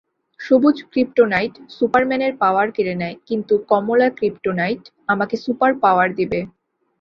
সবুজ ক্রিপ্টোনাইট সুপারম্যানের পাওয়ার কেড়ে নেয়, কিন্তু কমলা ক্রিপ্টোনাইট আমাকে সুপারপাওয়ার দিবে।